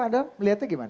anda melihatnya bagaimana